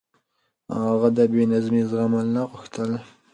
هغه د بې نظمي زغمل نه غوښتل.